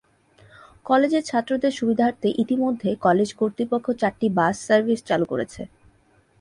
কলেজের ছাত্রদের সুবিধার্থে ইতোমধ্যে কলেজ কর্তৃপক্ষ চারটি বাস সার্ভিস চালু করেছে।